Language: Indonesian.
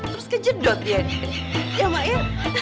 terus kejedot dia ya mak ya